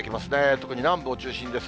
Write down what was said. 特に南部を中心にです。